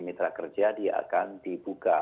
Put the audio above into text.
mitra kerja dia akan dibuka